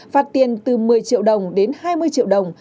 phạt tiền từ một mươi triệu đồng đến hai mươi triệu đồng